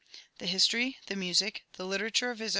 The history, the music, the literature of his.